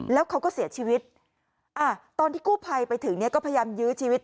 แล้วเขาก็เสียชีวิตตอนที่กู้ภัยไปถึงเนี่ยก็พยายามยื้อชีวิต